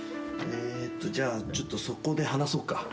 えーとじゃあちょっとそこで話そうか。